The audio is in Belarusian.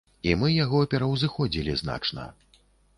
І мы яго пераўзыходзілі значна.